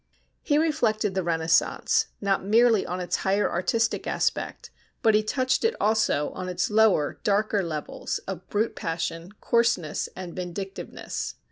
He reflected the Renaissance, not merely on its higher artistic aspect, but he touched it also on its lower darker levels of brute passion, coarseness, and vindictiveness.